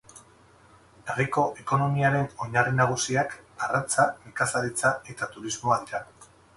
Herriko ekonomiaren oinarri nagusiak arrantza, nekazaritza eta turismoa dira.